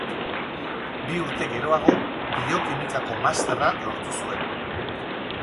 Bi urte geroago, biokimikako masterra lortu zuen.